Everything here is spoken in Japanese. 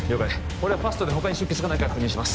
俺はファストで他に出血がないか確認します